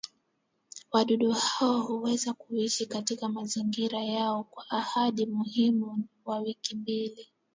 wadudu hao huweza kuishi katika mazingira hayo kwa hadi muda wa wiki mbili